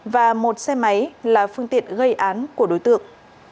và một xe máy là phương tiện gây án của đối tượng